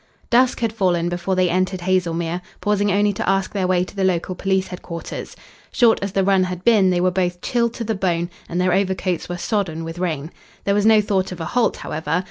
Dusk had fallen before they entered Haslemere, pausing only to ask their way to the local police headquarters. Short as the run had been, they were both chilled to the bone, and their overcoats were sodden with rain. There was no thought of a halt, however.